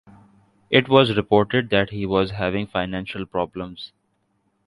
It was reported that he was having financial problems.